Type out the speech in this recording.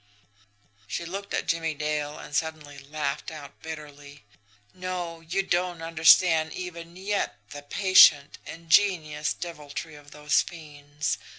She looked at Jimmie Dale, and suddenly laughed out bitterly. "No; you don't understand, even yet, the patient, ingenious deviltry of those fiends.